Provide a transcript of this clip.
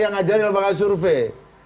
yang ngajarin di lebakar survei